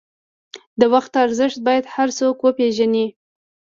د وخت ارزښت باید هر څوک وپېژني.